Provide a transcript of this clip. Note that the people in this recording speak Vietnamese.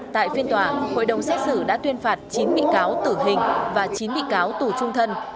tại phiên tòa hội đồng xét xử đã tuyên phạt chín bị cáo tử hình và chín bị cáo tù trung thân